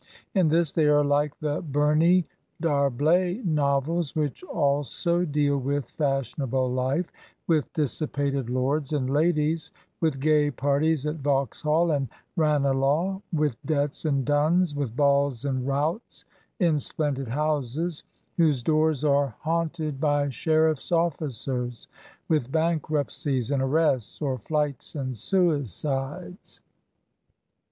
In this they are like the Bumey D'Arblay nov els, which also deal with fashionable life, with dissi pated lords and ladies, with gay parties at Vauxhall and Ranelagh, with debts and duns, with balls and routs in splendid houses, whose doors are haunted by sheriflF's officers, with bankruptcies and arrests, or flights and suicides.